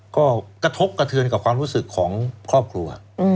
ก็กระทบกระเทือนกับความรู้สึกของครอบครัว